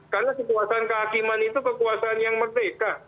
karena kekuasaan kehakiman itu kekuasaan yang merdeka